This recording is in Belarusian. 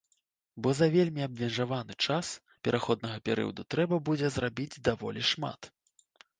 Бо за вельмі абмежаваны час пераходнага перыяду трэба будзе зрабіць даволі шмат.